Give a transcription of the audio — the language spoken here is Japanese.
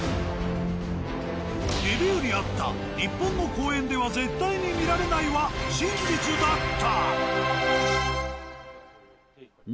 レビューにあった「日本の公園では絶対に見られない」は真実だった。